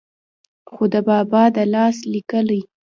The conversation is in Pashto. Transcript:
خو دَبابا دَلاس ليکلې